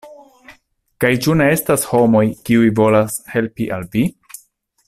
Kaj ĉu ne estas homoj, kiuj volas helpi al vi?